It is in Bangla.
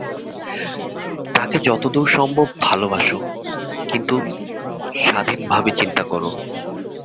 তাঁকে যতদূর সম্ভব ভালবাস, কিন্তু স্বাধীনভাবে চিন্তা কর।